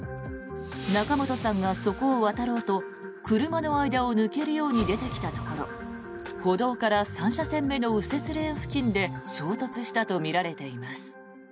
仲本さんがそこを渡ろうと車の間を抜けるように出てきたところ歩道から３車線目の右折レーン付近で衝突したとみられています。